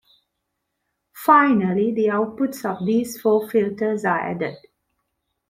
Finally, the outputs of these four filters are added.